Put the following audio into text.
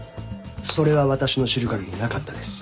それは私の知るかぎりなかったです。